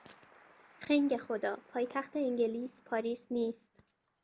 خنگ خدا، پایتخت انگلیس پاریس نیست!